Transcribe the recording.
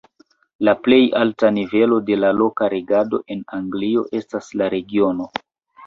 La plej alta nivelo de loka regado en Anglio estas la regiono.